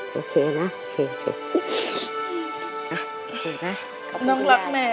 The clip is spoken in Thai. ขอขอคุณคุณหญาค่า